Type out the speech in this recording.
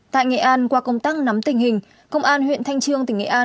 tại nghệ an qua công tác nắm tình hình công an huyện thanh trương tỉnh nghệ an